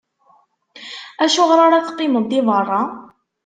Acuɣeṛ ara teqqimeḍ di beṛṛa?